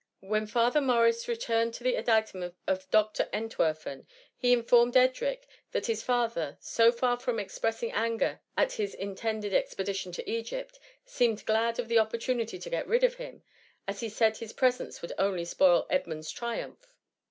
When Father Morris returned to the adytum of Dr. Entwerfen, he informed Edric, that his father, so far from expressing anger at his in tended expedition to Egypt, seemed glad of the opportunity to get rid of him, as he said his presence would only spoil Edmund's triumph.